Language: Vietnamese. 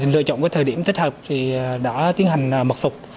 lựa chọn thời điểm thích hợp thì đã tiến hành mật phục